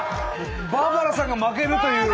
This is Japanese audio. バーバラさんが負けるという。